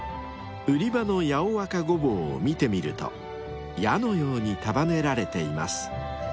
［売り場の八尾若ごぼうを見てみると矢のように束ねられています］